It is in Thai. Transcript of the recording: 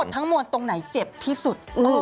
ทั้งมวลตรงไหนเจ็บที่สุด